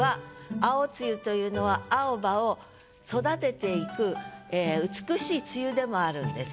青梅雨というのは青葉を育てていく美しい梅雨でもあるんです。